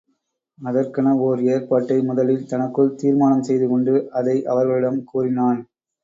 அதற்கென ஓர் ஏற்பாட்டை முதலில் தனக்குள் தீர்மானம் செய்துகொண்டு அதை அவர்களிடம் கூறினான்.